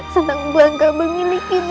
senang bangga memilikimu